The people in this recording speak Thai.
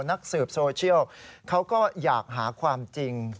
นักสืบโซเชียลเขาก็อยากหาความจริง